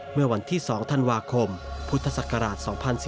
เมื่อวันที่๒ธันวาคมพุทธศักราช๒๔๙